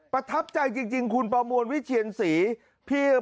ประทับใจจริงคุณประมวลวิเชียนศรี